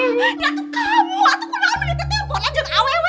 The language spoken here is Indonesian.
ini tuh kamu aku tau menurut teteh hpnya jangan aww